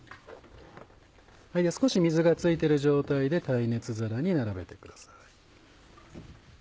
少し水がついてる状態で耐熱皿に並べてください。